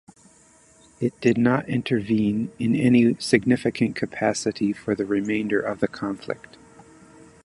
It did not intervene in any significant capacity for the remainder of the conflict.